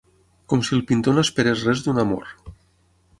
Com si el pintor no esperés res d'un amor